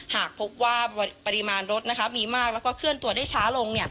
หากพบว่าปริมาณรถมีมากแล้วก็เคลื่อนตัวได้ช้าลง